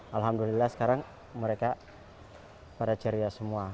alhamdulillah sekarang mereka pada ceria semua